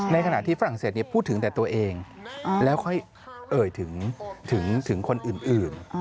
ในขณะที่ฝรั่งเศสพูดถึงแต่ตัวเองแล้วค่อยเอ่ยถึงคนอื่น